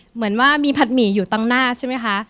เหมือนว่ามีผัดหมี่อยู่ตั้งหน้าใช่ไหมคะ